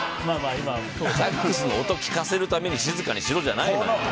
サックスの音を聴かせるために静かにしろじゃないのよ。